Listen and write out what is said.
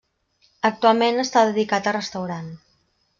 Actualment està dedicat a restaurant.